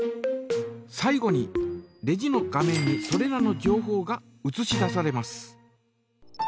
最後にレジの画面にそれらの情報がうつし出されます。